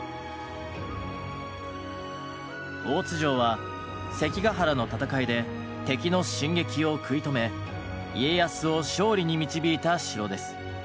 大津城は関ヶ原の戦いで敵の進撃を食い止め家康を勝利に導いた城です。